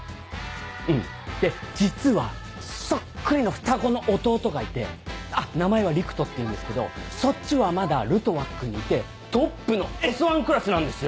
うんで実はそっくりの双子の弟がいて名前は陸斗っていうんですけどそっちはまだルトワックにいてトップのＳ１クラスなんですよ。